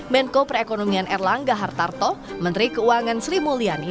menko perekonomian erlangga hartarto menteri keuangan sri mulyani